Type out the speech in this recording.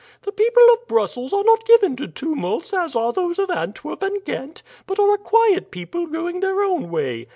The people of Brussels are not given to tumults as are those of Antwerp and Ghent, but are a quiet people going their own way.